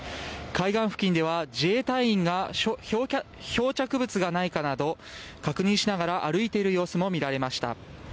海岸付近では自衛隊員が漂着物がないかなど確認しながら歩いている様子も見られました。